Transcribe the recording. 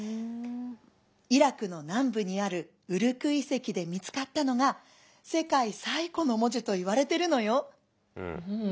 イラクの南部にあるウルク遺跡で見つかったのが世界最古の文字といわれてるのよ。